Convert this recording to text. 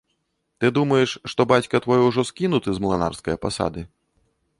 Ты думаеш, што бацька твой ужо скінуты з млынарскае пасады?